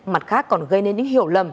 mặt khác còn gây nên những hiểu lầm